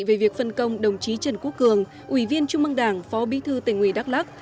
về việc phân công đồng chí trần quốc cường ủy viên trung mương đảng phó bí thư tỉnh ủy đắk lắc